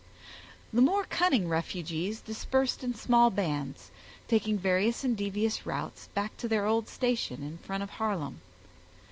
The more cunning refugees dispersed in small bands, taking various and devious routes back to their old station in front of Harlem.